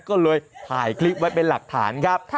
ก็เลยถ่ายคลิปไว้เป็นหลักฐานครับ